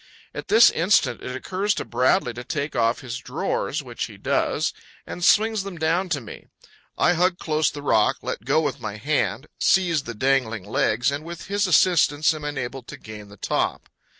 At this instant it occurs to Bradley to take off his drawers, which he does, and swings them down to me. I hug close to the rock, let go with my hand, seize the dangling legs, and with his assistance am enabled to gain the top.